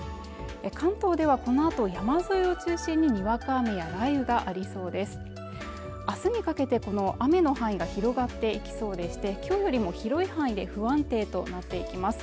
関東ではこのあと山沿いを中心ににわか雨や雷雨がありそうです明日にかけてこの雨の範囲が広がっていきそうでしてきょうよりも広い範囲で不安定となっていきます